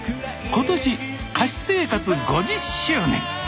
今年歌手生活５０周年。